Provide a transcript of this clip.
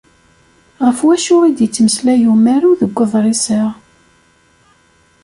Ɣef wacu i d-ittmeslay umaru deg uḍris-a?